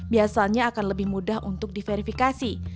biasanya akan lebih mudah untuk diverifikasi